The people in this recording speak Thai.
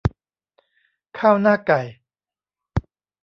ข้าวหน้าไก่